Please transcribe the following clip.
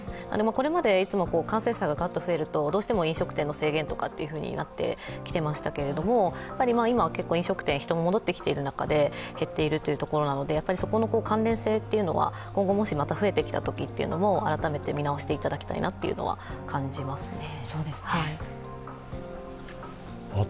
これまでいつも感染者がガッと増えるとどうしても飲食店の制限などになってきていましたけれども、今、結構、飲食店、人が戻ってきている中で減っているというところなので、そこのところの関連性っていうのは今後もしまた増えてきたときは改めて見直していただきたいなというのは感じますね。